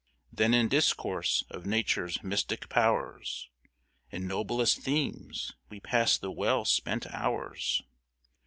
Then in Discourse of Nature's mystick Pow'rs And Noblest Themes, we pass the well spent Hours.